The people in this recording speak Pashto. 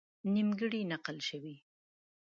نیمګړې نقل شوې.